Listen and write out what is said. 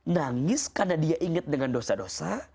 nangis karena dia ingat dengan dosa dosa